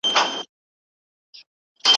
نو یې مخ سو پر جومات او پر لمونځونو